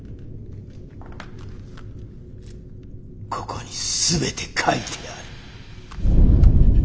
ここに全て書いてある。